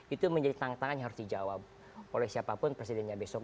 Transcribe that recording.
itu menjadi tantangan yang harus dijawab oleh siapapun presidennya besok